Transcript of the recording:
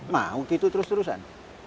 mau gitu terus terusan